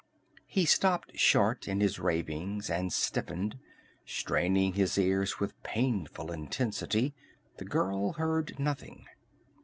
_" He stopped short in his ravings and stiffened, straining his ears with painful intensity. The girl heard nothing.